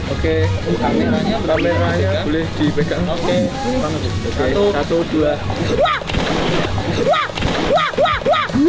oke kamera boleh dipegang